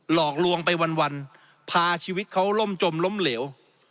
หลอกลวงไปวันพาชีวิตเขาล่มจมล้มเหลว